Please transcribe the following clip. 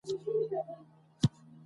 تاسو باید خپل وسایل په سمه توګه وکاروئ.